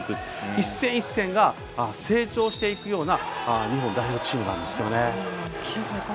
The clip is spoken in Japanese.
一戦一戦が成長していくような日本代表チームなんですよね。